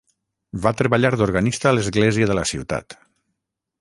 Va treballar d'organista a l'església de la ciutat.